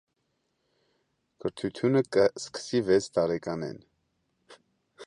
Կրթութիւնը կը սկսի վեց տարեկանէն։